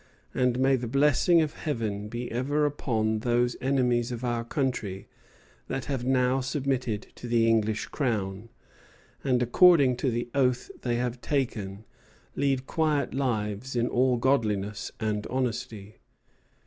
And may the blessing of Heaven be ever upon those enemies of our country that have now submitted to the English Crown, and according to the oath they have taken lead quiet lives in all godliness and honesty."